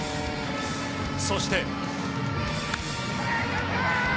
そして。